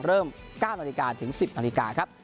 เริ่ม๙นถึง๑๐นครับ